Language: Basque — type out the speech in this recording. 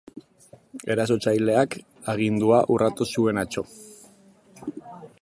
Erasotzaileak agindua urratu zuen atzo.